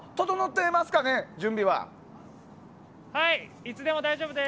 いつでも大丈夫です。